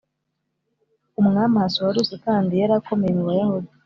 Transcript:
u Mwami Ahasuwerusi kandi yari akomeye mu Bayahudi